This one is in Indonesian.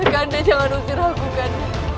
kanda jangan lupakan aku kanda